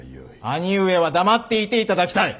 兄上は黙っていていただきたい。